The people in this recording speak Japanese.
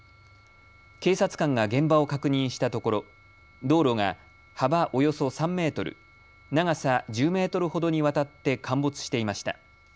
警察官が現場を確認したところ道路が幅およそ３メートル、長さ１０メートルほどにわたって陥没していました。